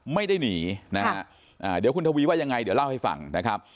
ไม่ได้หนีนะฮะเดี๋ยวคุณทวีว่ายังไงเดี๋ยวเล่าให้ฟังนะครับ